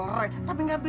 eh pak mamat